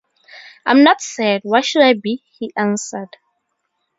“I’m not sad; why should I be,” he answered.